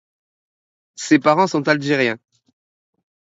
Ses parents sont algériens.